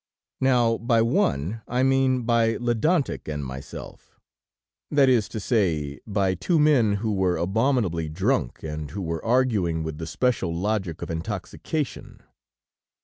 Now, by one, I mean by Ledantec and myself, that is to say, by two men who were abominably drunk and who were arguing with the special logic of intoxication.